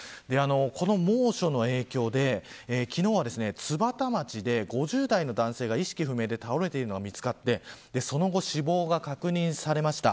この猛暑の影響で昨日は津幡町で５０代の男性が意識不明で倒れているのが見つかってその後、死亡が確認されました。